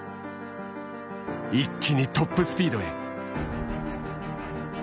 一気にトップスピードへ。